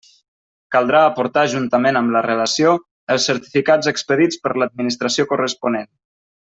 Caldrà aportar juntament amb la relació, els certificats expedits per l'Administració corresponent.